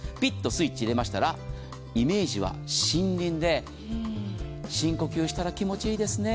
スイッチを入れましたらイメージは森林で深呼吸したら気持ち良いですね。